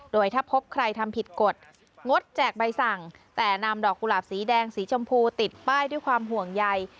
โดยถ้าพบใครทำผิดกฎงดแจกใบสั่งแต่นำดอกกุหลาบสีแดงสีชมพูติดป้ายด้วยความห่วงใย